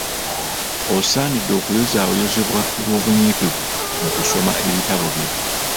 Osaanidde okuyozaayozebwa olw’obunyiikivu mu kusoma ebitabo byo.